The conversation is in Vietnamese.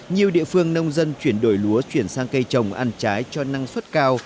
nhiều địa phương nông dân chuyển đổi lúa chuyển sang cây trồng ăn trái cho năng suất cao